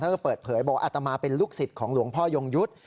ก็เปิดเผยบอกอัตมาเป็นลูกศิษย์ของหลวงพ่อยงยุทธ์